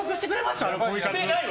してないわ！